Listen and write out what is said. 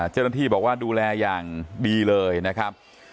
เจ้าหน้าที่บอกว่าดูแลอย่างดีเลยนะครับ